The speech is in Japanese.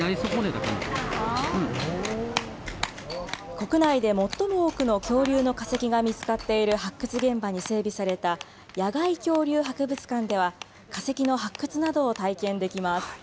国内で最も多くの恐竜の化石が見つかっている発掘現場に整備された野外恐竜博物館では化石の発掘などを体験できます。